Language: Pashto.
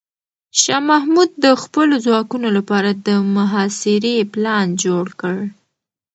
شاه محمود د خپلو ځواکونو لپاره د محاصرې پلان جوړ کړ.